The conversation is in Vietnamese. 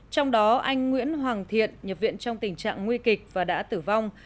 trong đó anh nguyễn hoàng thiện nhập viện trong tình trạng nguy kịch và đã tử vong